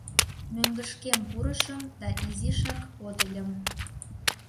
Мӧҥгышкем пурышым да изишак подыльым...